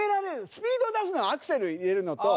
スピードを出すのはアクセル入れるのと。